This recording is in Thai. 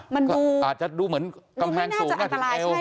มันดูอาจจะดูเหมือนกำแพงสูงดูไม่น่าจะอันตรายใช่